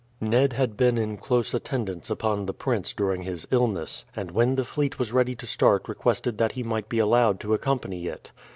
Ned had been in close attendance upon the prince during his illness, and when the fleet was ready to start requested that he might be allowed to accompany it.